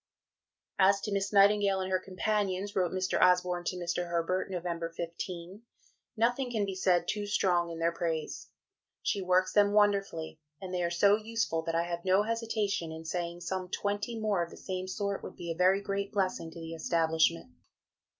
"As to Miss Nightingale and her companions," wrote Mr. Osborne to Mr. Herbert (Nov. 15), "nothing can be said too strong in their praise; she works them wonderfully, and they are so useful that I have no hesitation in saying some 20 more of the same sort would be a very great blessing to the establishment.